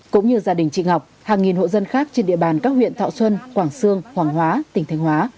cũng như gia đình chị ngọc hàng nghìn hộ dân khác trên địa bàn các huyện thọ xuân quảng sương hoàng hóa tỉnh thanh hóa